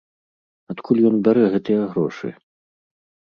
Адкуль ён бярэ гэтыя грошы?